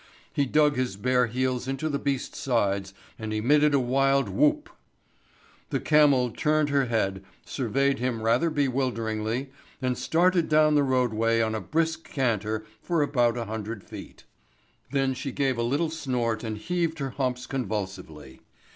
He dug his bare heels into the beast's sides and emitted a wild whoop. The camel turned her head, surveyed him rather bewilderingly and started down the roadway on a brisk canter for about a hundred feet. Then she gave a little snort and heaved her humps convulsively.